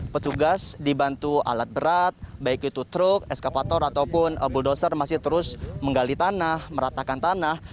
petugas dibantu alat berat baik itu truk eskavator ataupun buldoser masih terus menggali tanah meratakan tanah